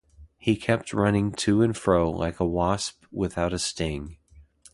He kept running to and fro like a wasp without a sting.